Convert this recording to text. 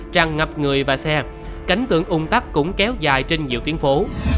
tràn ngập người và xe cánh tượng ung tắc cũng kéo dài trên nhiều tuyến phố